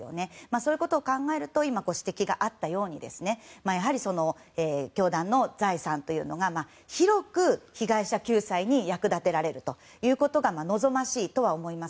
そういうことを考えると今ご指摘があったように教団の財産というのが広く被害者救済に役立てられるということが望ましいとは思います。